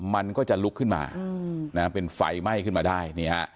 มันก็จะลุกขึ้นมาเป็นไฟไหม้ขึ้นมาได้